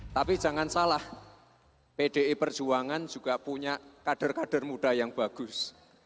tapi jangan salah pdi perjuangan juga punya kader kader muda yang bagus